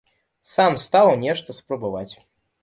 Сам стаў нешта спрабаваць.